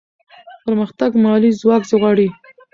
پرمختګ مالي ځواک غواړي.